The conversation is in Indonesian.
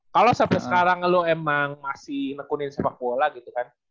kalau sampai sekarang lo emang masih nekunin sepak bola gitu kan